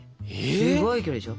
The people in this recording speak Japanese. すごい距離でしょ。